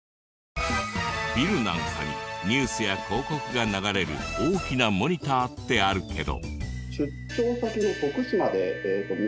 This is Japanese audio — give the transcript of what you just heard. ビルなんかにニュースや広告が流れる大きなモニターってあるけど。